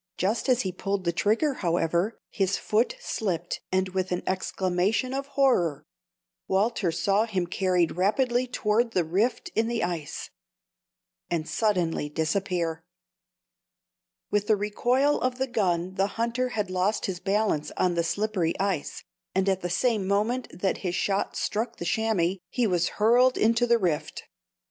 Just as he pulled the trigger, however, his foot slipped, and with an exclamation of horror, Walter saw him carried rapidly toward the rift in the ice, and suddenly disappear. With the recoil of the gun the hunter had lost his balance on the slippery ice, and at the same moment that his shot struck the chamois, he was hurled into the "rift." "Father!